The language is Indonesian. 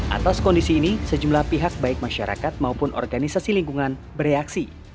atas kondisi ini sejumlah pihak baik masyarakat maupun organisasi lingkungan bereaksi